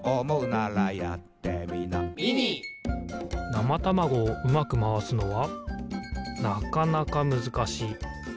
なまたまごをうまくまわすのはなかなかむずかしい。